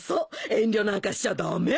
遠慮なんかしちゃ駄目。